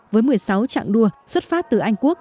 với một mươi sáu trạng đua xuất phát từ anh quốc